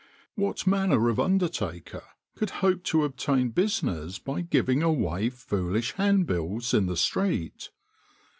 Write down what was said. What manner of undertaker could hope to obtain business by giving away foolish hand bills in the street?